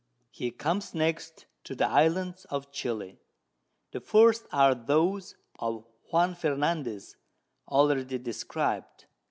He comes next to the Islands of Chili. The first are those of Juan Fernandez, already describ'd.